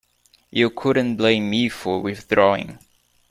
You couldn't blame me for withdrawing.